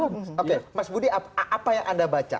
oke mas budi apa yang anda baca